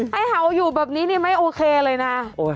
ให้เห่าอยู่แบบนี้นี่ไม่โอเคเลยนะ